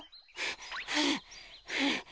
はあはあ。